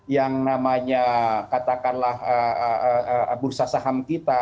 yang namanya katakanlah bursa saham kita